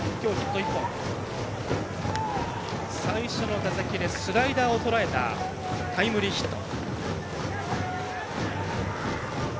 最初の打席でスライダーをとらえたタイムリーヒット。